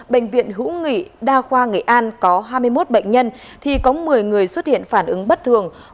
bệnh viện hữu nghị đa khoa nghệ an có hai mươi một bệnh nhân thì có một mươi người xuất hiện phản ứng bất thường